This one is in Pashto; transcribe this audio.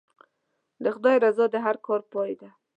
د خدای رضا د هر کار پای دی.